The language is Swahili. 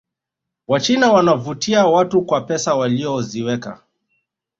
wachina wanavutia watu kwa pesa walizowekeza